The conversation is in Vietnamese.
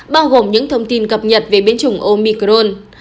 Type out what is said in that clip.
bao gồm những thông tin cập nhật về biến chủng omicron